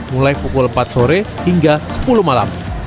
mulai pukul empat sore hingga sepuluh malam